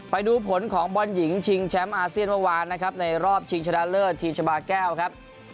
ไปดูผลของบอลหญิงชิงแชมป์อาเซียนเมื่อวานนะครับในรอบชิงชนะเลิศทีมชาบาแก้วครับ